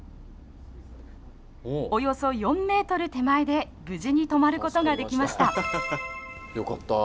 およそ４ｍ手前で無事に止まることができました。